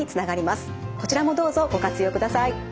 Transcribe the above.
こちらもどうぞご活用ください。